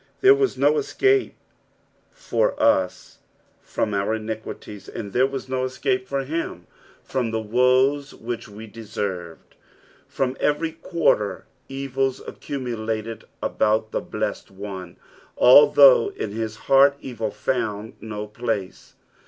There was no escape for us from our iniquities, and there was no escape for him from the woes which we deserved. From every quarter evils accumulated about the blessed One, although in his heart evil found no place.